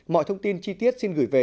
mọi thông tin chi tiết xin gửi về